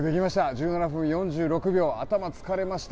１７分４６秒、頭疲れました。